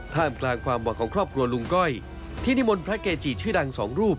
กลางความหวังของครอบครัวลุงก้อยที่นิมนต์พระเกจิชื่อดังสองรูป